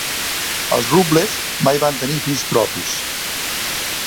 Els Rubbles mai van tenir fills propis.